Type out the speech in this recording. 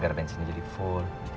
biar bensinnya jadi full